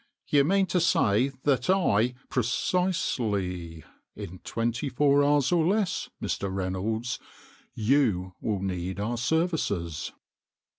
" You mean to say that I "" Precisely. In twenty four hours or less, Mr. Reynolds, you will need our services."